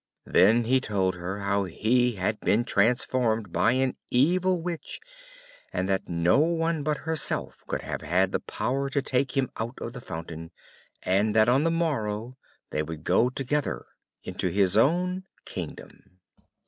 Then he told her how he had been transformed by an evil witch, and that no one but herself could have had the power to take him out of the fountain; and that on the morrow they would go together into his own kingdom.